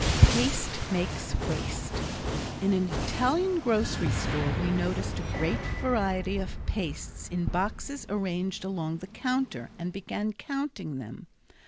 Paste Makes Waste In an Italian grocery store we noticed a great variety of pastes in boxes arranged along the counter and began counting them.